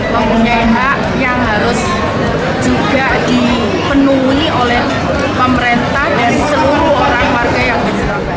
mempunyai hak yang harus juga dipenuhi oleh pemerintah dan seluruh orang warga yang diserang